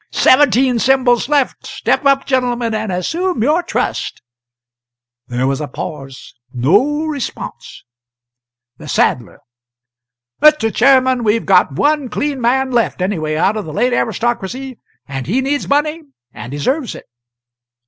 "Seventeen Symbols left! Step up, gentlemen, and assume your trust!" There was a pause no response. The Saddler. "Mr. Chairman, we've got one clean man left, anyway, out of the late aristocracy; and he needs money, and deserves it.